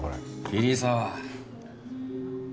桐沢！